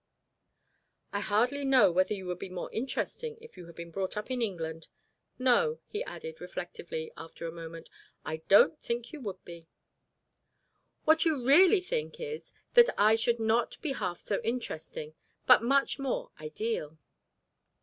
"I hardly know whether you would be more interesting if you had been brought up in England. No," he added, reflectively, after a moment, "I don't think you would be." "What you really think is, that I should not be half so interesting, but much more ideal."